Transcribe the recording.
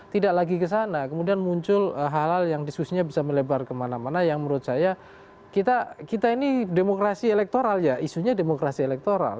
tidak lagi kesana kemudian muncul hal hal yang diskusinya bisa melebar kemana mana yang menurut saya kita ini demokrasi elektoral ya isunya demokrasi elektoral